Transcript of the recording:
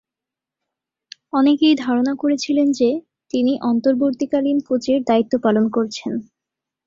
অনেকেই ধারণা করেছিলেন যে, তিনি অন্তর্বর্তীকালীন কোচের দায়িত্ব পালন করছেন।